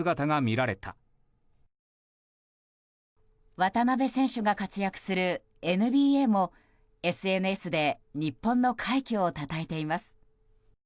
渡邊選手が活躍するＮＢＡもＳＮＳで日本の快挙を称えています。